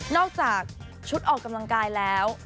จากชุดออกกำลังกายแล้ว